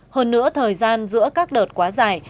hơn nữa thời gian giữa các đợt quá dài